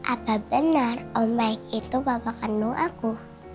apa benar om baik itu bapak kandung aku